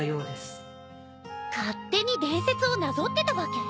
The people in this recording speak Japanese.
勝手に伝説をなぞってたわけ？